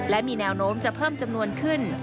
และมีแนวโน้มจะเพิ่มจำนวนขึ้น